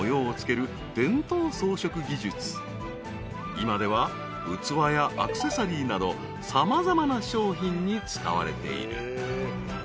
［今では器やアクセサリーなど様々な商品に使われている］